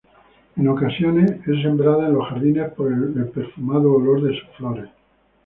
En ocasiones es sembrada en los jardines por el perfumado olor de sus flores.